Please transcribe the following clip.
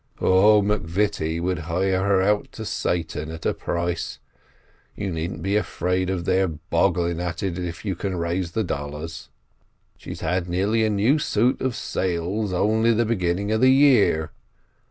Oh, M'Vitie would hire her out to Satan at a price; you needn't be afraid of their boggling at it if you can raise the dollars. She's had a new suit of sails only the beginning of the year.